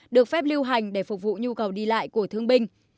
được phép lưu hành để phục vụ nhu cầu đi lại của thương binh